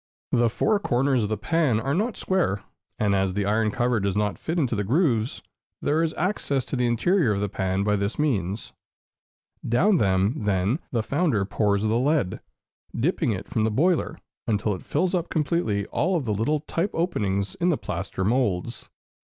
The four corners of the pan are not square; and as the iron cover does not fit into the grooves, there is access to the interior of the pan by this means. Down them, then, the founder pours the lead, dipping it from the boiler, until it fills up completely all the little type openings in the plaster moulds.